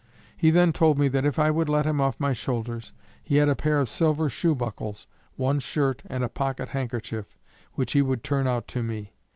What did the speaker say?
He then told me that if I would let him off my shoulders, he had a pair of silver shoe buckles, one shirt and a pocket handkerchief, which he would turn out to me.